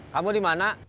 kamu di mana